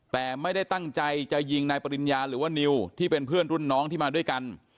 แต่ไม่ได้ตั้งใจจะยิงนายปริญญาหรือว่านิวที่เป็นเพื่อนรุ่นน้องที่มาด้วยกัน